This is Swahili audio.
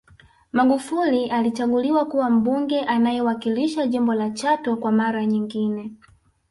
Magufuli alichaguliwa kuwa Mbunge anayewakilisha jimbo la Chato kwa mara nyingine